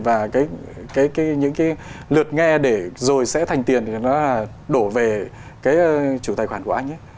và những cái lượt nghe để rồi sẽ thành tiền nó là đổ về cái chủ tài khoản của anh ấy